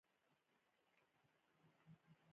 امپراطور غواړي ته تاشکند ته راشې.